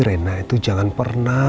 rena itu jangan pernah